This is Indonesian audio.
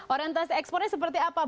orientasi ekspornya seperti apa